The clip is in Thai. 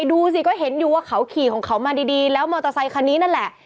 ดูสิก็เห็นอยู่ว่าเขาขี่ของเขามาดีแล้วมอเตอร์ไซคันนี้นั่นแหละ